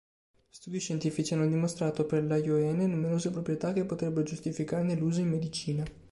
Studi scientifici hanno dimostrato per l'ajoene numerose proprietà che potrebbero giustificarne l'uso in medicina.